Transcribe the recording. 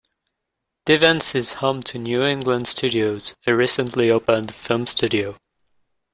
Devens is home to New England Studios, a recently opened film studio.